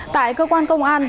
tại cơ quan công an